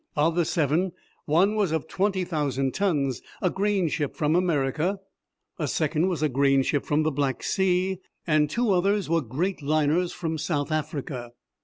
Of the seven, one was of twenty thousand tons, a grain ship from America, a second was a grain ship from the Black Sea, and two others were great liners from South Africa.